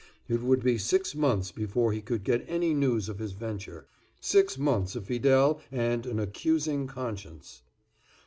It would be six months before he could get any news of his venture; six months of Fidele and an accusing conscience.